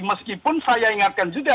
meskipun saya ingatkan juga